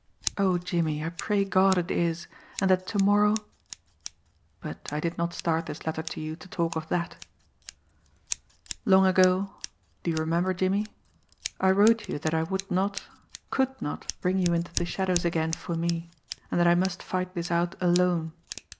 Oh, Jimmie, I pray God it is, and that tomorrow but I did not start this letter to you to talk of that. "Long ago do you remember, Jimmie? I wrote you that I would not, could not bring you into the shadows again for me, and that I must fight this out alone.